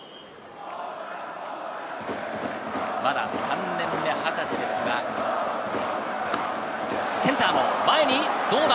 まだ３年目、２０歳ですが、センターの前にどうだ？